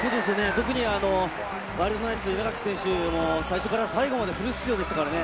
特にワイルドナイツの稲垣選手も最初から最後までフル出場でしたからね。